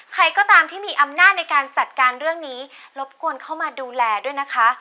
ใครก็ตามที่มีอำนาจในการจัดการเรื่องนี้รบกวนเข้ามาดูแลด้วยนะคะ